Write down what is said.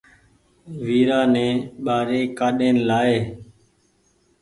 ويرآ ني ٻآري ڪآڏين لآئي